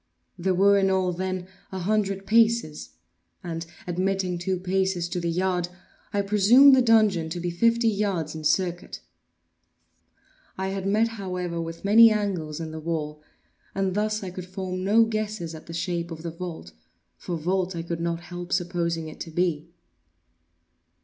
There were in all, then, a hundred paces; and, admitting two paces to the yard, I presumed the dungeon to be fifty yards in circuit. I had met, however, with many angles in the wall, and thus I could form no guess at the shape of the vault, for vault I could not help supposing it to be.